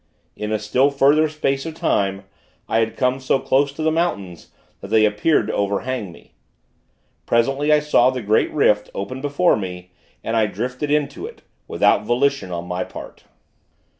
In a still further space of time, I had come so close to the mountains, that they appeared to overhang me. Presently, I saw the great rift, open before me, and I drifted into it; without volition on my part.